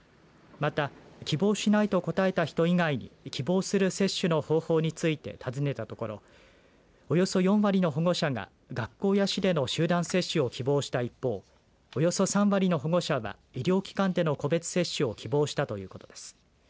また希望しないと答えた人以外に希望する接種の方法について尋ねたところおよそ４割の保護者が学校や市での集団接種を希望した一方およそ３割の保護者は医療機関での個別接種を希望したということです。